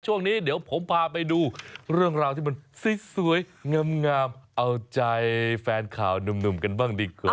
ช่วงนี้เดี๋ยวผมพาไปดูเรื่องราวที่มันสวยงามเอาใจแฟนข่าวหนุ่มกันบ้างดีกว่า